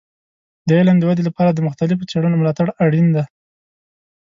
د علم د ودې لپاره د مختلفو څیړنو ملاتړ اړین دی.